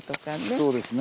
そうですね。